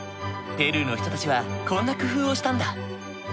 ペルーの人たちはこんな工夫をしたんだ。